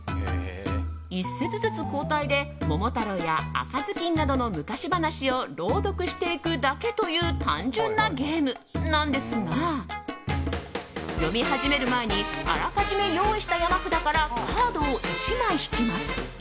一節ずつ交代で「桃太郎」や「赤ずきん」などの昔話を朗読していくだけという単純なゲームなんですが読み始める前にあらかじめ用意した山札からカードを１枚引きます。